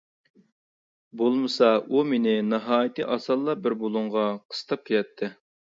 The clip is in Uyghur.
بولمىسا ئۇ مېنى ناھايىتى ئاسانلا بىر بۇلۇڭغا قىستاپ كېلەتتى.